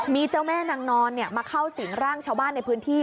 มีเจ้าแม่นางนอนมาเข้าสิงร่างชาวบ้านในพื้นที่